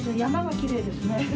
山もきれいですね。